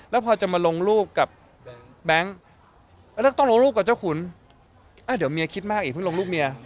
แล้วพอจะมาลงรูปกับแบงค์แล้วต้องลงรูปกับเจ้าขุนเดี๋ยวเมียคิดมากอีกเพิ่งลงรูปเมีย